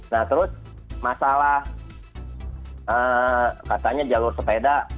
nah terus masalah katanya jalur sepeda